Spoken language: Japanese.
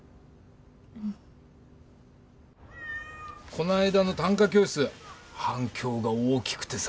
この間の短歌教室反響が大きくてさ。